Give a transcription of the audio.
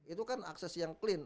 itu kan akses yang clean